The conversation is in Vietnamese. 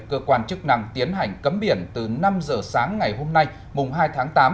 cơ quan chức năng tiến hành cấm biển từ năm giờ sáng ngày hôm nay mùng hai tháng tám